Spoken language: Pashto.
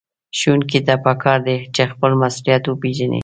ښوونکي ته پکار ده چې خپل مسؤليت وپېژني.